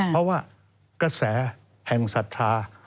เพราะว่ากระแสแห่งศรัทธา